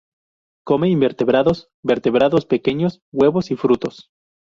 Come invertebrados, vertebrados pequeños, huevos y frutos.